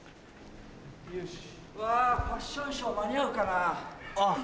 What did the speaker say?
うわファッションショー間に合うかな？